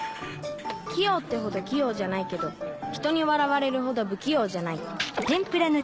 器用ってほど器用じゃないけどひとに笑われるほど不器用じゃない